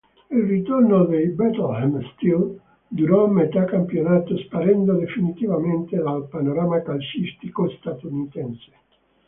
Il ritorno dei Bethlehem Steel durò metà campionato sparendo definitivamente dal panorama calcistico statunitense.